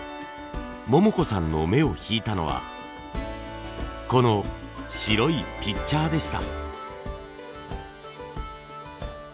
桃子さんの目を引いたのはこの白いピッチャーでした。